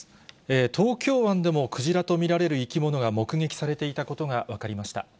東京湾でもクジラと見られる生き物が目撃されていたことが分かりました。